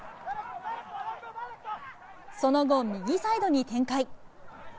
その後、右サイドに展開。